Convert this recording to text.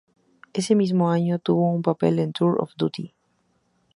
Ese mismo año, tuvo un papel en "Tour of Duty".